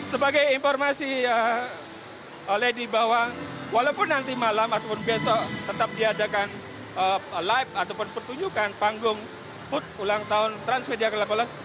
sebagai informasi lady bahwa walaupun nanti malam ataupun besok tetap diadakan live ataupun pertunjukan panggung ulang tahun transmedia ke delapan belas